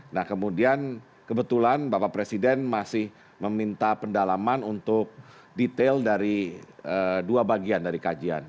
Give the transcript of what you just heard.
nah kemudian kebetulan bapak presiden masih meminta pendalaman untuk detail dari dua bagian dari kajian